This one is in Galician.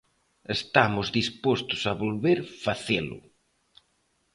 Estamos dispostos a volver facelo.